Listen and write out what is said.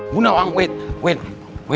bu nolang tunggu tunggu